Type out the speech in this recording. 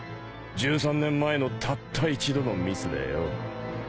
１３年前のたった一度のミスでよ。